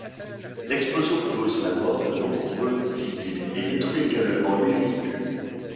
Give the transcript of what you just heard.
L'explosion cause la mort de nombreux civils et détruit également huit véhicules.